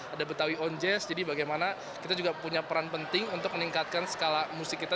ada betawi on jazz jadi bagaimana kita juga punya peran penting untuk meningkatkan skala musik kita